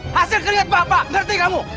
hasil kelihatan bapak ngerti kamu